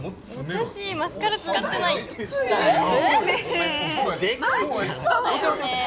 私マスカラ使ってないよえっ？